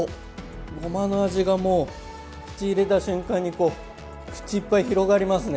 ごまの味がもう口入れた瞬間に口いっぱい広がりますね。